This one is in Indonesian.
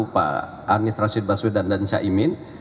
pak arnistrasit baswedan dan syaimin